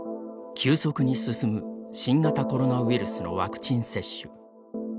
急速に進む新型コロナウイルスのワクチン接種。